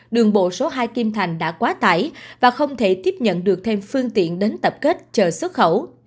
đường bộ số hai kim thành đã quá tải và không thể tiếp nhận được thêm phương tiện đến tập kết chờ xuất khẩu